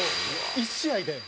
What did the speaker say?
１試合で。